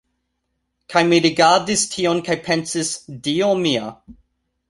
Kaj mi rigardis tion kaj pensis, "Dio mia!"